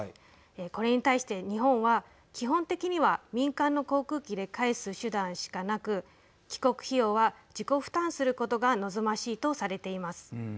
これに対して、日本は基本的には民間の航空機で帰す手段しかなく帰国費用は自己負担することが望ましいとされています。